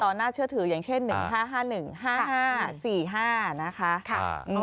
น่าเชื่อถืออย่างเช่น๑๕๕๑๕๕๔๕นะคะ